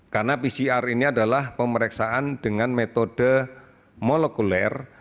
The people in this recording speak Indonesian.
karena pcr ini adalah pemeriksaan dengan metode molekuler